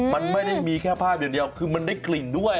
มันไม่ได้มีแค่ภาพอย่างเดียวคือมันได้กลิ่นด้วย